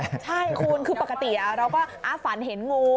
ใช่คุณคือปกติเราก็ฝันเห็นงู